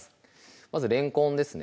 まずれんこんですね